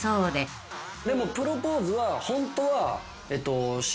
でもプロポーズはホントは。